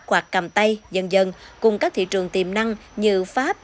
quạt cầm tay dần dần cùng các thị trường tiềm năng như pháp